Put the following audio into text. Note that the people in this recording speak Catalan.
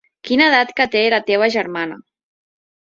Quina edat que té la teva germana.